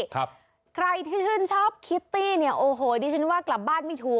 ใครที่ชื่นชอบคิตตี้เนี่ยโอ้โหดิฉันว่ากลับบ้านไม่ถูก